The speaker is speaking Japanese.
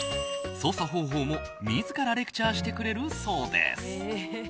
操作方法も自らレクチャーしてくれるそうです。